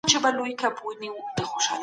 ولي د خامو موادو کیفیت د محصول پایله ټاکي؟